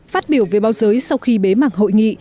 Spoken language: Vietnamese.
phát biểu về báo giới sau khi bế mạc hội nghị